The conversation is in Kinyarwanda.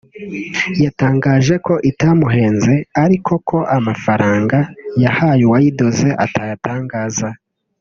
yatangaje ko itamuhenze ariko ko amafaranga yahaye uwayidoze atayatagaza